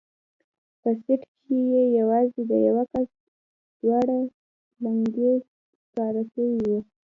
په سيټ کښې يې يوازې د يوه کس دواړه لينگي سکاره سوي وو.